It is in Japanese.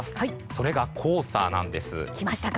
それが、黄砂なんです。